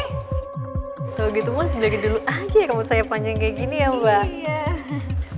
kalau gitu mas jelekin dulu aja ya kalau saya panjang kayak gini ya mbak